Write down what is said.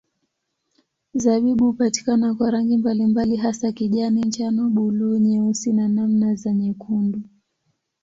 Zabibu hupatikana kwa rangi mbalimbali hasa kijani, njano, buluu, nyeusi na namna za nyekundu.